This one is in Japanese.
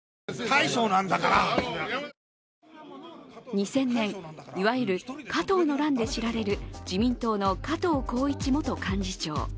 ２０００年、いわゆる加藤の乱で知られる自民党の加藤紘一元幹事長。